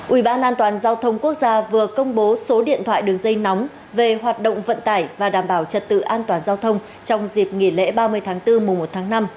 ủy ban an toàn giao thông quốc gia vừa công bố số điện thoại đường dây nóng về hoạt động vận tải và đảm bảo trật tự an toàn giao thông trong dịp nghỉ lễ ba mươi tháng bốn mùa một tháng năm